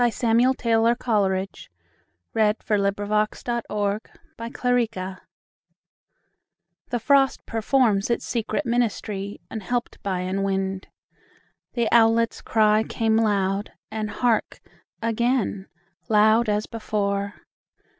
Samuel Taylor Coleridge Frost at Midnight THE Frost performs its secret ministry, Unhelped by an wind. The owlet's cry Came loud and hark, again! loud as before.